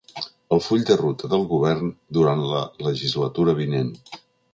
El full de ruta del govern durant la legislatura vinent.